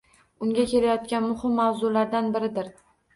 Unga kelayotgan muhim mavzulardan biridir.